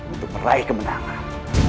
untuk meraih kemenangan